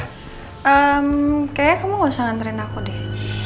kayaknya kamu nggak usah nantarin aku deh